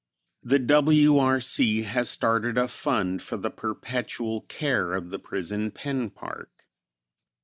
The W. R. C. has started a fund for the perpetual care of the Prison Pen Park.